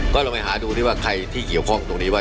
ก็ลองไปหาดูที่ว่าใครที่เกี่ยวข้องตรงนี้ว่า